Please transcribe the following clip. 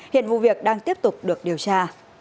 hiện vụ việc đang tiếp tục được điều tra